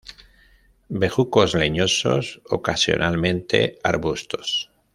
Bejucos leñosos, ocasionalmente arbustos.